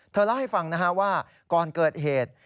เธอเล่าให้ฟังนะครับว่าก่อนเกิดเหตุ